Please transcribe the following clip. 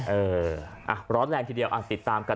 เอออ่ะร้อนแรงทีเดียวติดตามกัน